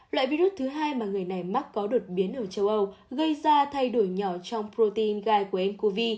loại virus thứ hai mà người này mắc có đột biến ở châu âu gây ra thay đổi nhỏ trong protein gai của ncov